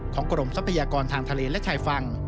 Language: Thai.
กรมทรัพยากรทางทะเลและชายฝั่ง